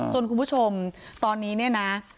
คุณผู้ชมตอนนี้เนี่ยนะ